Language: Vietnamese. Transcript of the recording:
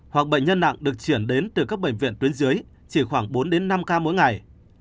hoặc bệnh nhân nặng được chuyển đến từ các bệnh viện tuyến dưới chỉ khoảng bốn đến năm ca mỗi ngày